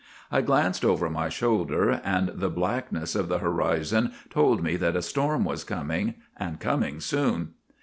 I glanced over my shoulder, and the blackness of the horizon told me that a storm was coming, and coming soon.